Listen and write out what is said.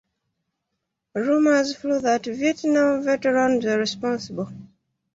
Rumors flew that Vietnam veterans were responsible.